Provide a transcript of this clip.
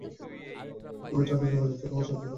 তুমি ঠান্ডায় জমে যাচ্ছ, তোমার সাহায্য দরকার।